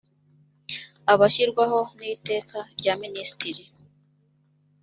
abashyirwaho n iteka rya minisitiri